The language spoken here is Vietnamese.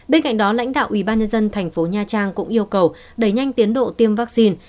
bên cạnh đó lãnh đạo ubnd thành phố nha trang cũng yêu cầu đẩy nhanh tiến độ tiêm vaccine